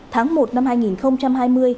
tháng một năm hai nghìn hai mươi